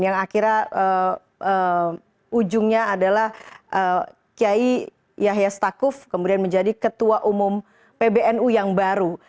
yang akhirnya ujungnya adalah kiai yahya stakuf kemudian menjadi ketua umum pbnu yang baru